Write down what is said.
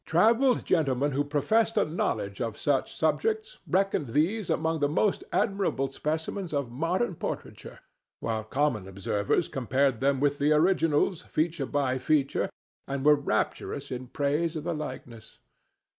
Travelled gentlemen who professed a knowledge of such subjects reckoned these among the most admirable specimens of modern portraiture, while common observers compared them with the originals, feature by feature, and were rapturous in praise of the likeness.